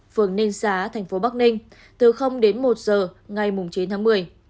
phường ninh xá thành phố bắc ninh từ đến một giờ ngày chín tháng một mươi